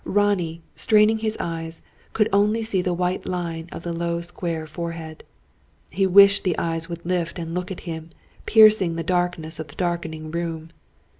Ronnie, straining his eyes, could see only the white line of the low square forehead. He wished the eyes would lift and look at him, piercing the darkness of the darkening room.